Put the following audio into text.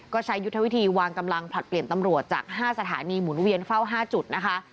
ก็ใช้ยุทธวิธีวางกำลังผลัดเปลี่ยนตำรวจจาก๕สถานีหมุนเวียนเฝ้า๕จุดนะคะ